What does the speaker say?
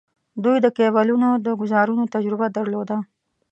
دوی د کیبلونو د ګوزارونو تجربه درلوده.